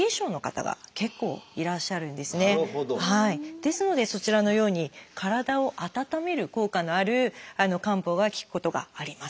ですのでそちらのように体を温める効果のある漢方が効くことがあります。